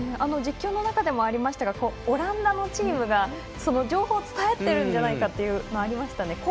実況の中でもありましたがオランダのチームが情報を伝え合っているんじゃないのかというのがありましたよね。